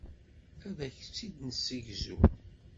Ad ak-tt-id-nessegzu.